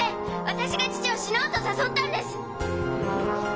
私が父を「死のう」と誘ったんです！